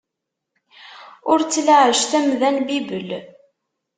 Ur ttlaɛej tamda n bibel.